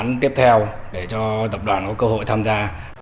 và các dự án tiếp theo để cho tập đoàn có cơ hội tham gia